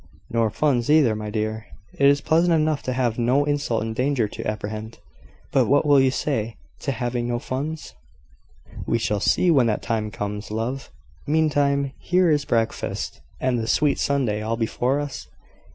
"Nor funds either, my dear. It is pleasant enough to have no insult and danger to apprehend; but what will you say to having no funds?" "We shall see when that time comes, love. Meantime, here is breakfast, and the sweet Sunday all before us?"